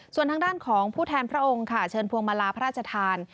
ส่วนทางด้านของผู้แทนพระองค์ค่ะเชิญพวงมาลาพระราชทาน